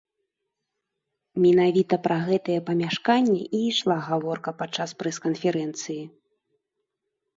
Менавіта пра гэтае памяшканне і ішла гаворка падчас прэс-канферэнцыі.